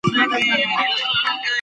غږ د ده د وجود هرې حجرې ته نفوذ وکړ.